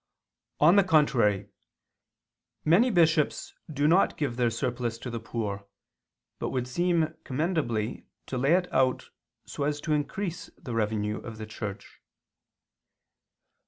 On the contrary, Many bishops do not give their surplus to the poor, but would seem commendably to lay it out so as to increase the revenue of the Church.